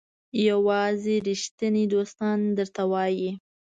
یوازې ریښتیني دوستان درته وایي.